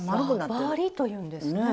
輪針というんですね。